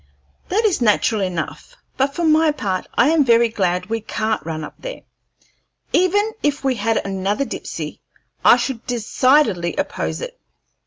That is natural enough. But, for my part, I am very glad we can't run up there. Even if we had another Dipsey I should decidedly oppose it.